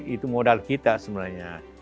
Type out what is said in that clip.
itu modal kita sebenarnya